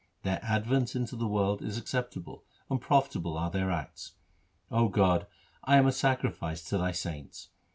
Their advent into the world is acceptable, and profitable are their acts. 0 my God, I am a sacrifice to Thy saints.